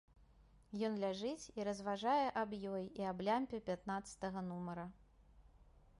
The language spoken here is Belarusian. Ён ляжыць і разважае аб ёй і аб лямпе пятнаццатага нумара.